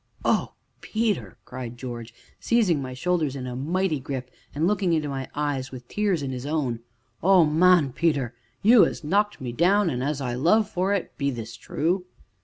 "Oh, Peter!" cried George, seizing my shoulders in a mighty grip and looking into my eyes with tears in his own, "oh, man, Peter you as knocked me down an' as I love for it be this true?"